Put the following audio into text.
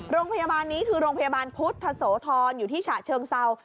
โรงพยาบาลนี้คือโรงพยาบาลพุทธโสธรอยู่ที่ฉะเชิงเศร้า